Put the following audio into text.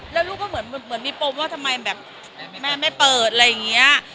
แล้วลูกก็เหมือนมีปมว่าทำไมแบบแม่ไม่เปิดอะไรอย่างนี้